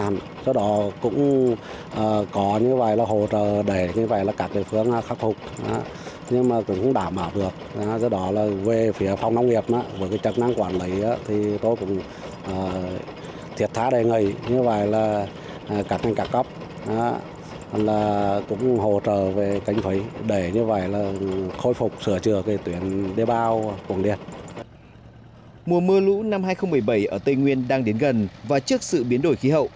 mùa mưa lũ năm hai nghìn một mươi bảy ở tây nguyên đang đến gần và trước sự biến đổi khí hậu